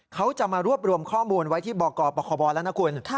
เขาจะมารวบรวมข้อมูลไว้ที่บกปคบแล้วนะคุณ